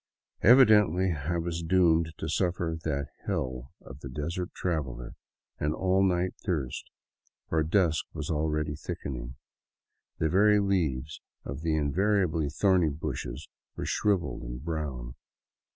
Evidently I was doomed to suffer that hell of the desert traveler, an all night thirst; for dusk was already thickening. The very leaves of the invariably thorny bushes were shrivelled and brown.